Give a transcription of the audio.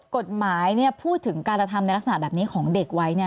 กฎหมายพูดถึงการกระทำในลักษณะแบบนี้ของเด็กไว้